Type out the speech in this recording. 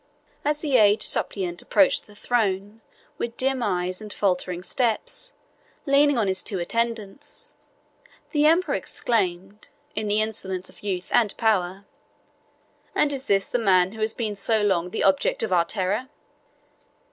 As the aged suppliant approached the throne, with dim eyes and faltering steps, leaning on his two attendants, the emperor exclaimed, in the insolence of youth and power, "And is this the man who has so long been the object of our terror?"